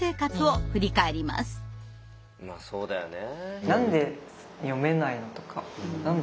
まあそうだよね。